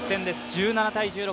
１７−１６